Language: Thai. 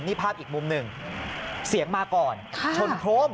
นี่ภาพอีกมุมหนึ่งเสียงมาก่อนชนโครม